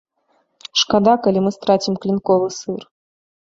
Шкада, калі мы страцім клінковы сыр.